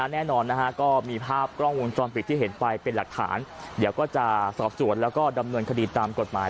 แน่นอนนะฮะก็มีภาพกล้องวงจรปิดที่เห็นไปเป็นหลักฐานเดี๋ยวก็จะสอบสวนแล้วก็ดำเนินคดีตามกฎหมาย